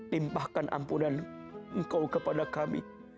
limpahkan ampunan engkau kepada kami